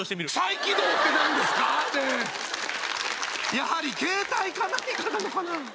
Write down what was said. やはり携帯か何かなのかな？